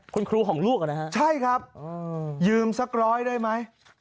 คุณครูของลูกนะฮะใช่ครับยืมสักร้อยได้ไหม